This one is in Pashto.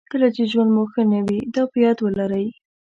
کله چې ژوند مو ښه نه وي دا په یاد ولرئ.